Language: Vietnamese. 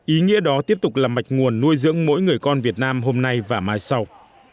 ý nghĩa đó tiếp tục là mạch nguồn nuôi dưỡng mỗi người con việt nam hôm nay và mai sau